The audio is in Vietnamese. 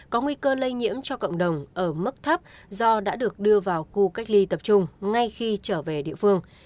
có nguy cơ lây nhiễm cho cộng đồng ở mức thấp do đã được đưa vào khu cách ly tập trung ngay khi trở về địa phương